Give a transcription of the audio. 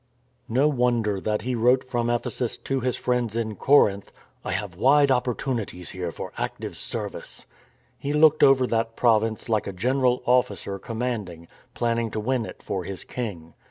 No wonder that he wrote from Ephesus to his friends in Corinth, " I have wide opportunities here for active service." He looked over that province like a General Ofiicer Commanding, planning to win it for his King.